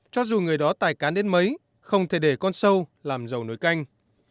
cho dù người đó tài cán đến mấy không thể để con sâu làm dầu nối canh